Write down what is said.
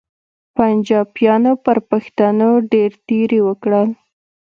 پنچاپیانو پر پښتنو ډېر تېري وکړل.